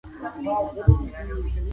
نورو ته هم د پښتو لیکلو بلنه ورکړئ.